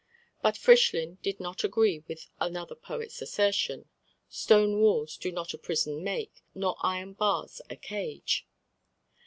But Frischlin did not agree with another poet's assertion: "Stone walls do not a prison make, Nor iron bars a cage."